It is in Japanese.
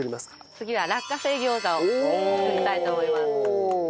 次は落花生餃子を作りたいと思います。